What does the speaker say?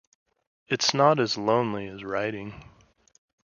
It's not as lonely as writing.